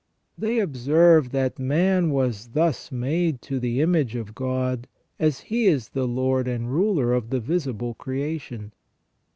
They observe that man was thus made to the image of God as He is the Lord and Ruler of the visible creation.